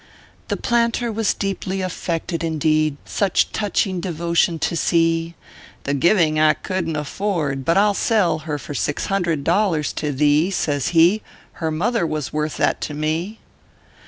The planter was deeply affected indeed, Such touching devotion to see ;" The giving I couldn t afford ; but I ll sell Her for six hundred dollars to thee," Says he, 41 Her mother was worth that to me."